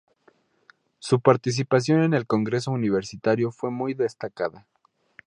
Su participación en el Congreso Universitario fue muy destacada.